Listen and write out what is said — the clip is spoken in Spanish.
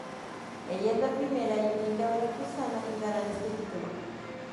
Ella es la primera y única Veracruzana en ganar este título.